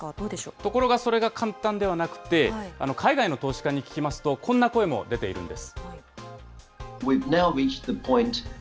ところがそれが簡単ではなくて、海外の投資家に聞きますと、こんな声も出ているんです。